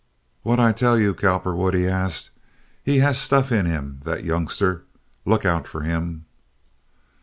"What'd I tell you, Cowperwood?" he asked. "He has stuff in him, that youngster. Look out for him."